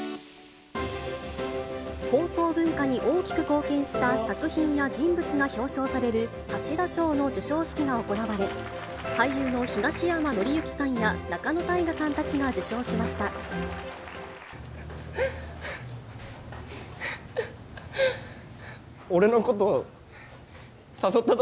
放送文化に大きく貢献した作品や人物が表彰される橋田賞の授賞式が行われ、俳優の東山紀之さんや仲野太賀さんたちが受賞しました。